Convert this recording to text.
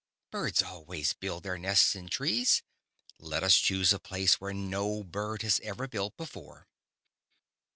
Birds always build their nests in trees. Let us choose a place where no bird has ever built before.